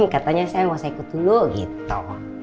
katanya saya masa ikut dulu gitu